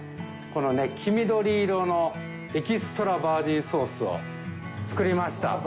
このね黄緑色のエキストラバージンソースを作りました。